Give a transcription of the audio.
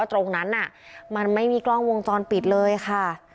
ตรงนั้นมันไม่มีกล้องวงจรปิดเลยค่ะ